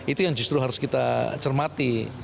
itu yang justru harus kita cermati